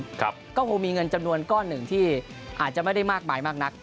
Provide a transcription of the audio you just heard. ก็คงมีเงินจำนวนก้อนหนึ่งที่อาจจะไม่ได้มากมายมากนัก